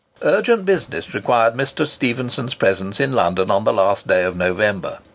Urgent business required Mr. Stephenson's presence in London on the last day of November.